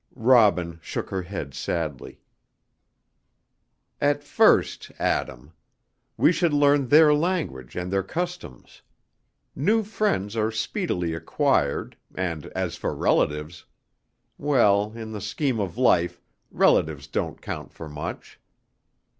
Robin shook her head sadly. "At first, Adam. We should learn their language and their customs. New friends are speedily acquired, and as for relatives, well, in the scheme of life relatives don't count for much.